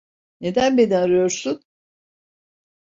Neden beni arıyorsun?